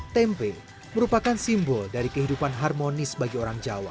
tempe merupakan simbol dari kehidupan harmonis bagi orang jawa